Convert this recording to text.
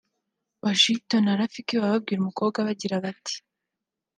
Washington na Rafiki baba babwira umukobwa bagira bati